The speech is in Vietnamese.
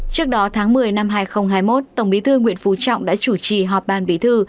trước đó tháng một mươi năm hai nghìn hai mươi một tổng bí thư nguyễn phú trọng đã chủ trì họp ban bí thư